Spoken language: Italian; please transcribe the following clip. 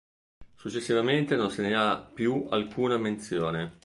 Successivamente non se ne ha più alcuna menzione.